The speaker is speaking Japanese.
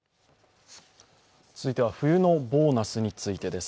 続いては冬のボーナスについてです。